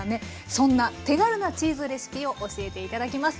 そんな手軽なチーズレシピを教えて頂きます。